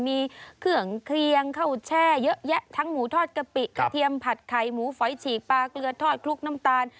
มีเครื่องเคลียงข้าวแช่เยอะแยะทั้งหมูทอดกะปิกระเทียมผัดไข่หมูฝอยฉีกปลาเกลือทอดคลุกน้ำตาล